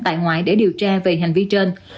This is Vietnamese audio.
tại ngoại để điều tra về hành vi trên